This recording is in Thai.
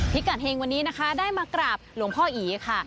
พิกัณฑ์เห็งวันนี้ได้มากราบหลวงพ่ออี๋ค่ะ